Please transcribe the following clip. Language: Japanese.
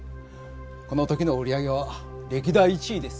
この時の売り上げは歴代１位です。